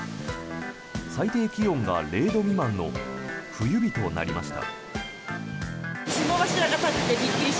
最低気温が０度未満の冬日となりました。